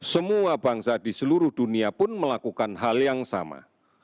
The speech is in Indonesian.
semua bangsa di seluruh dunia pun melakukan hal yang sama